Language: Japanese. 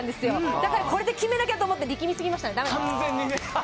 だからこれで決めなきゃと思って力みすぎましたね。